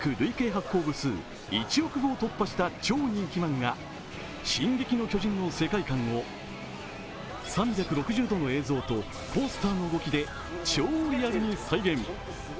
発行部数１億部を突破した超人気漫画「進撃の巨人」の世界観を３６０度の映像とコースターの動きで超リアルに再現。